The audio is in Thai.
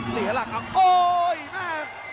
เสียหลักออกโอ้ยมาก